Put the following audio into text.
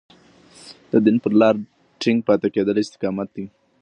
د دين پر لار د ټينګ پاتې کېدل استقامت دی.